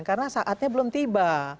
karena saatnya belum tiba